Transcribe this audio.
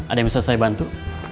ada yang bisa saya bantu